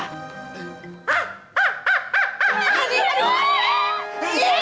hah hah hah hah